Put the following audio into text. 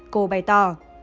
cô bày tỏ